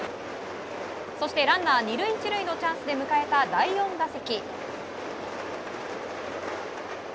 そしてランナー２塁１塁のチャンスで迎えた第４打席。